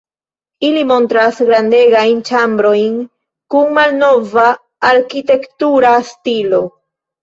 Ili montras grandegajn ĉambrojn kun malnova arkitektura stilo.